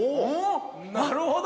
◆なるほど。